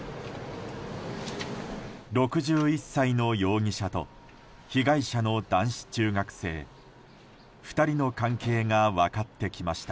６１歳の容疑者と被害者の男子中学生２人の関係が分かってきました。